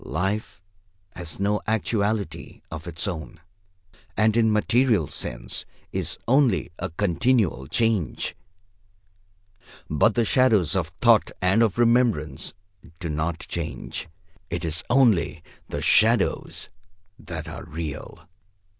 Life has no actuality of its own, and in material sense is only a continual change. But the shadows of thought and of remembrance do not change. It is only the shadows that are real."